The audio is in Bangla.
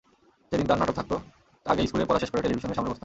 যেদিন তাঁর নাটক থাকত, আগেই স্কুলের পড়া শেষ করে টেলিভিশনের সামনে বসতাম।